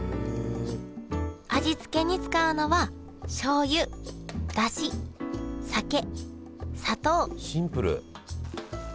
味付けに使うのはシンプル。